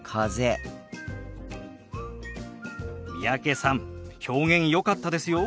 三宅さん表現よかったですよ。